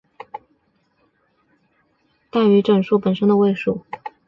奢侈数的总位数大于整数本身的位数。